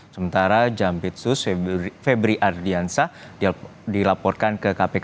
sementara jampitsus febri ardiansah dilaporkan ke kpk